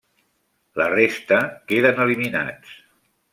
La resta queden eliminats.